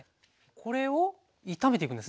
これを炒めていくんですね